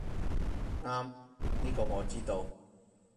啱，呢個我知道